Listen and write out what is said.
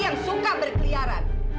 yang suka berkeliaran